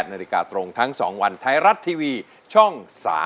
๑๘นตรงทั้ง๒วันไทยรัดทีวีช่อง๓๒